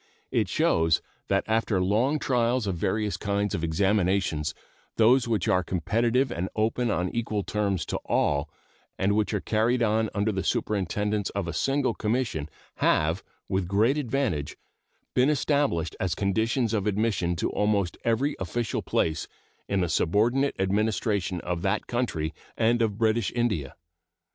It shows that after long trials of various kinds of examinations those which are competitive and open on equal terms to all, and which are carried on under the superintendence of a single commission, have, with great advantage, been established as conditions of admission to almost every official place in the subordinate administration of that country and of British India.